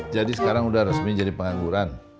jadi sekarang udah resmi jadi pengangguran